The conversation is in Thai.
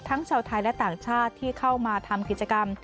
ชาวไทยและต่างชาติที่เข้ามาทำกิจกรรม